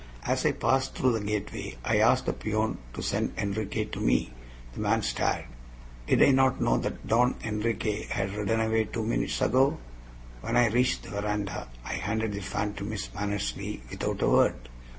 As I passed through the gateway I asked a peon to send Enriquez to me. The man stared. Did I not know that Don Enriquez had ridden away two minutes ago? When I reached the veranda, I handed the fan to Miss Mannersley without a word.